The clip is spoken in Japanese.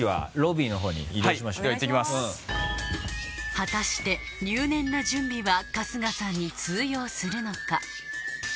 果たして入念な準備は春日さんに通用するのか